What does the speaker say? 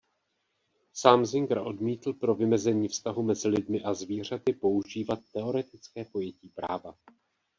Sám Singer odmítl pro vymezení vztahu mezi lidmi a zvířaty používat teoretické pojetí práva.